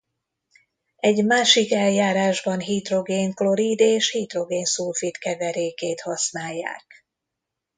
Egy másik eljárásban hidrogén-klorid és hidrogén-szulfid keverékét használják.